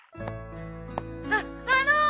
あっあのー！